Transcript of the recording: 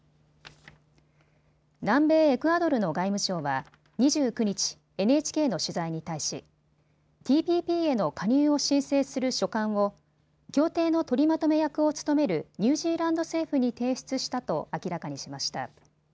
南米エクアドルの外務省は２９日、ＮＨＫの取材に対しＴＰＰへの加入を申請する書簡を協定の取りまとめ役を務めるニュージーランド政府に提出したと明らかにしました。